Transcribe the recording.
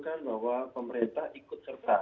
kan bahwa pemerintah ikut serta